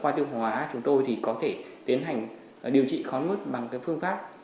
kho tiêu hóa chúng tôi thì có thể tiến hành điều trị khó nuốt bằng phương pháp